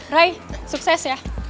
ray sukses ya